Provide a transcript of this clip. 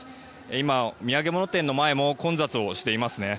今、土産物店の前も混雑していますね。